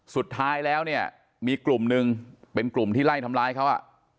สุดท้ายแล้วเนี่ยมีกลุ่มหนึ่งเป็นกลุ่มที่ไล่ทำร้ายเขา